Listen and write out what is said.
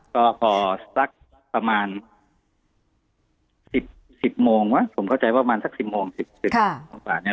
ก็พอสักประมาณ๑๐โมงวะผมเข้าใจว่าประมาณสัก๑๐โมง๑๐โมงกว่านี้